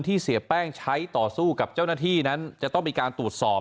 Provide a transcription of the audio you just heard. เสียแป้งใช้ต่อสู้กับเจ้าหน้าที่นั้นจะต้องมีการตรวจสอบ